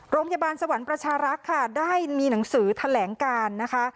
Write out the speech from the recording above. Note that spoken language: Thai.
โรงพยาบาลสวรรค์ประชารักษ์ค่ะได้มีหนังสือแถลงการนะคะ